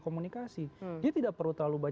komunikasi dia tidak perlu